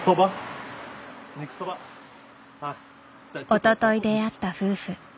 おととい出会った夫婦。